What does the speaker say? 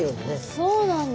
そうなんだ。